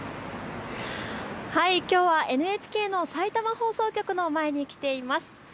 きょうはＮＨＫのさいたま放送局の前に来ています。